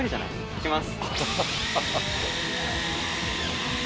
行きます。